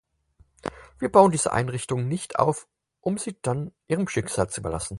Wir bauen diese Einrichtungen nicht auf, um sie dann ihrem Schicksal zu überlassen.